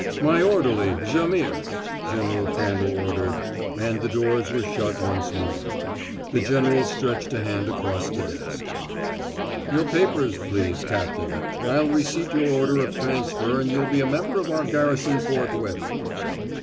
"My orderly, Jaimihr," General Crandall ordered, and the doors were shut once more. The general stretched a hand across the desk. "Your papers, please, Captain. I'll receipt your order of transfer and you'll be a member of our garrison forthwith."